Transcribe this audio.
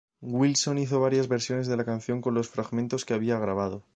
Wilson hizo varias versiones de la canción con los fragmentos que había grabado.